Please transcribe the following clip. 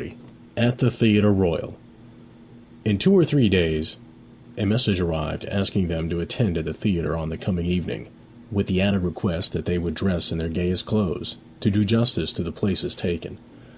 XXX. AT THE THEATRE ROYAL In two or three days a message arrived asking them to attend at the theatre on the coming evening, with the added request that they would dress in their gayest clothes, to do justice to the places taken.